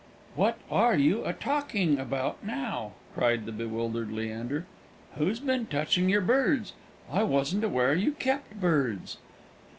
"What are you a talking about now?" cried the bewildered Leander. "Who's been touching your birds? I wasn't aware you kept birds."